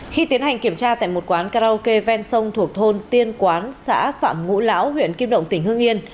khi tiến hành kiểm tra tại một quán karaoke ven sông thuộc thôn tiên quán xã phạm ngũ lão huyện kim động tỉnh hương yên